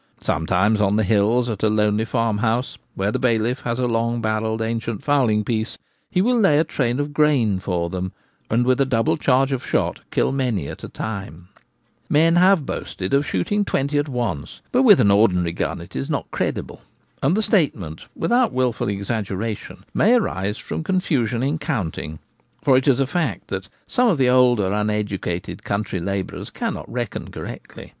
Sometimes on the hills at a lonely farmhouse, where the bailiff has a long barrelled ancient fowling piece, he will lay a train of grain for them, and with a double charge of shot, kill many at a time. Men have boasted of shooting twenty at once. Incorrect Counting by Labourers. 113 1 1 ■■■■■■■ 1 1 —■■■■.._—_% But with an ordinary gun it is. not credible ; and the statement, without wilful exaggeration, may arise from confusion in counting, for it is a fact that some of the older uneducated country labourers cannot reckon correctly.